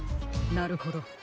なるほど。